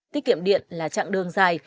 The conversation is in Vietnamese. tiết kiệm điện là chặng đường dài